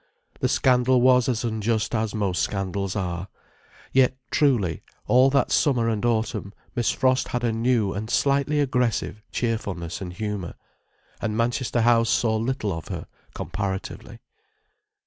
The scandal was as unjust as most scandals are. Yet truly, all that summer and autumn Miss Frost had a new and slightly aggressive cheerfulness and humour. And Manchester House saw little of her, comparatively.